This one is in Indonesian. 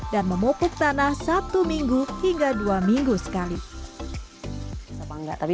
dan memopuk tanah satu minggu hingga dua minggu sekali